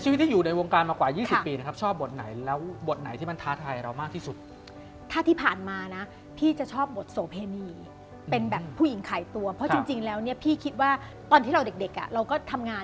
จริงมันก็ไม่มีอะไรนะเพราะว่า